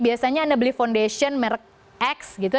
biasanya anda beli foundation merek x gitu